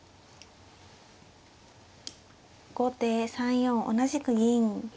後手３四同じく銀。